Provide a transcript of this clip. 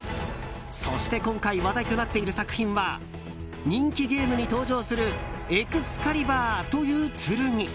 そして今回話題となっている作品は人気ゲームに登場するエクスカリバーという剣。